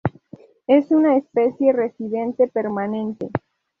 Es una especie residente permanente.